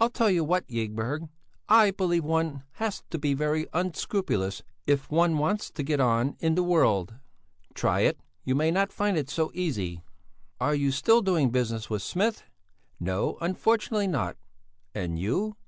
I'll tell you what, Ygberg, I believe one has to be very unscrupulous if one wants to get on in the world." "Try it! You may not find it so easy!" "Are you still doing business with Smith?" "No, unfortunately not! And you?"